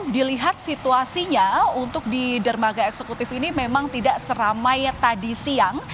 dilihat situasinya untuk di dermaga eksekutif ini memang tidak seramai tadi siang